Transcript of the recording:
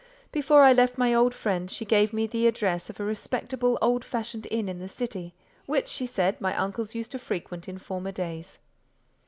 Before I left my old friend, she gave me the address of a respectable old fashioned inn in the City, which, she said, my uncles used to frequent in former days.